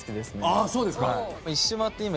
あそうですか。